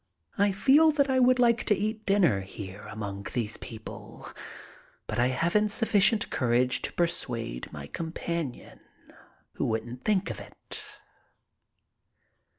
I feel that I would like to eat dinner here among these peo ple, but I haven't sufficient courage to persuade my com panion, who wouldn't think of it.